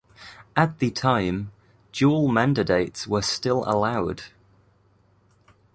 At the time, dual mandates were still allowed.